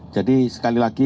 jadi sekali lagi